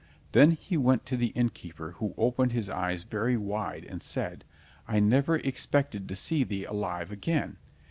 Then he went to the innkeeper, who opened his eyes very wide, and said: "I never expected to see thee alive again!